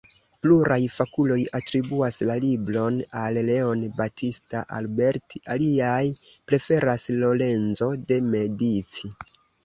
Pluraj fakuloj atribuas la libron al Leon Battista Alberti, aliaj preferas Lorenzo de Medici.